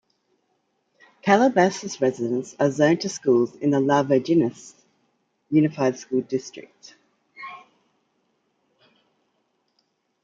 Calabasas residents are zoned to schools in the Las Virgenes Unified School District.